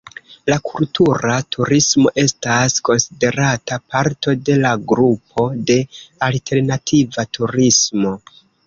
La kultura turismo estas konsiderata parto de la grupo de "alternativa turismo".